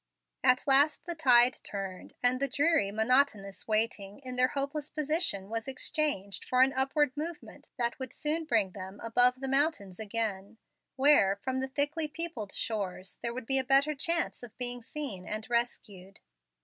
At last the tide turned, and the dreary, monotonous waiting in their hopeless position was exchanged for an upward movement that would soon bring them above the mountains again, where, from the thickly peopled shores, there would be a better chance of being seen and rescued.